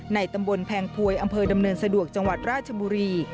ตำบลแพงพวยอำเภอดำเนินสะดวกจังหวัดราชบุรี